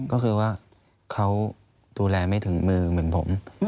ก็คือว่าเขาดูแลไม่ถึงมือเหมือนผม